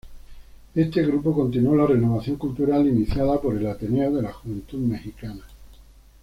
Este grupo continuó la renovación cultural iniciada por el Ateneo de la Juventud Mexicana.